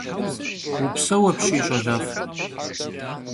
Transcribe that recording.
-Упсэу апщий, щӀэлэфӀ.